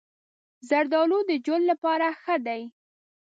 زردالو د جلد لپاره ښه دی.